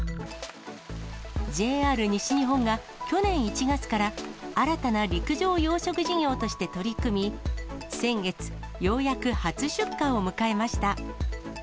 ＪＲ西日本が去年１月から新たな陸上養殖事業として取り組み、先月、ようやく初出荷を迎えました。